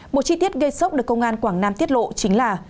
một chi tiết gây sốc được công an quảng nam tiết lộ chính là